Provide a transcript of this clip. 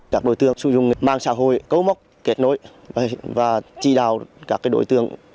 các đối tượng sử dụng mang xã hội cấu mốc kết nối và trị đào các đối tượng